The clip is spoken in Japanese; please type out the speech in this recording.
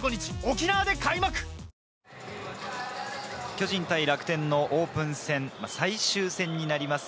巨人対楽天のオープン戦、最終戦になります。